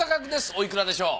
おいくらでしょう？